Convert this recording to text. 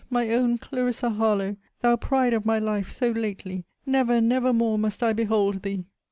my own Clarissa Harlowe! thou pride of my life so lately! never, never more must I behold thee!